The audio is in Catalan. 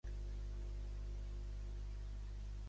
Maxfield es troba al llarg del riu Piscataquis.